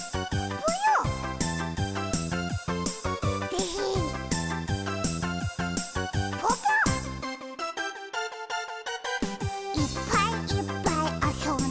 ぽぽ「いっぱいいっぱいあそんで」